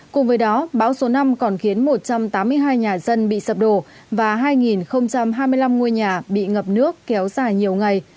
cùng với đó bão số năm còn khiến một trăm tám mươi hai nhà dân bị sập đổ và hai hai mươi năm ngôi nhà bị ngập nước kéo dài nhiều ngày